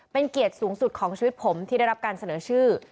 เป็นเกียรติสูงสุดของชีวิตผมที่ได้รับการเสนอชื่อ